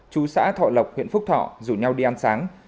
chú xã thọ lộc huyện phúc thọ rủ nhau đi ăn sáng